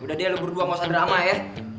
udah deh lu berdua ga usah drama ya